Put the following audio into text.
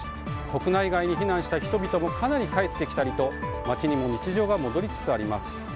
国内外に避難した人々もかなり帰ってきたりと街にも日常が戻りつつあります。